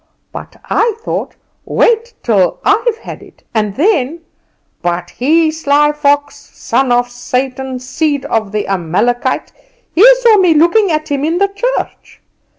But I thought. Wait till I've had it, and then . But he, sly fox, son of Satan, seed of the Amalekite, he saw me looking at him in the church.